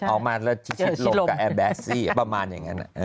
ออกมาแล้วชิดลบกับแอบแบสซี่ประมาณอย่างนั้น